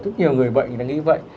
tức nhiều người bệnh người ta nghĩ vậy